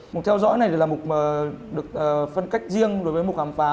mục theo dõi này là mục được phân cách riêng đối với mục khám phá